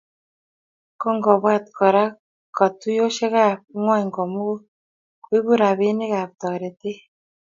Kingobwat Kora ko katuiyosiekab ngwony komugul koibu robinikab toretet